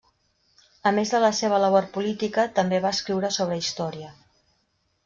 A més de la seva labor política, també va escriure sobre història.